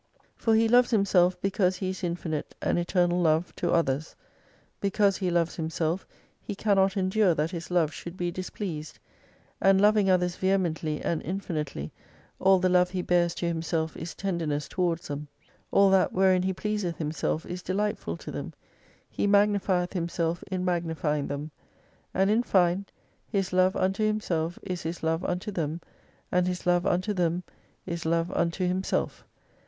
For He loves Himself because He is infinite and eternal Love to others. Because He loves Himself He cannot endure that His love should be displeased. And loving others vehemently and infinitely all the love He bears to Himself is tenderness towards them. All that wherein He pleaseth Himself is delightful to them : He mag nifieth Himself in magnifying them. And in fine, His love unto Himself is His love unto them, and His love unto them is love unto Himself.